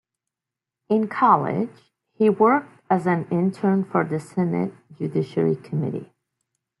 In college, he worked as an intern for the Senate Judiciary Committee.